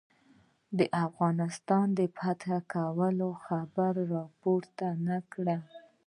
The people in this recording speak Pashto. د افغانستان د فتح کولو خبره را پورته نه کړي.